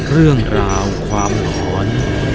เรื่องราวความหลอน